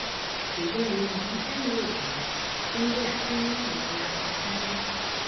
始建于明宣德五年增建尊经阁两层三间。